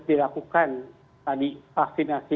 dilakukan tadi vaksinasi